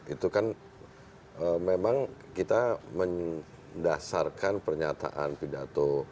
itu kan memang kita mendasarkan pernyataan pidato